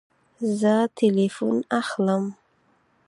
زه تلیفون اخلم